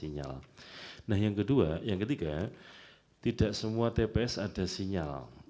nah yang kedua yang ketiga tidak semua tps ada sinyal